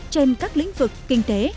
trên các lĩnh vực kinh tế